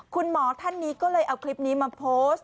คุณหมอท่านนี้ก็เลยเอาคลิปนี้มาโพสต์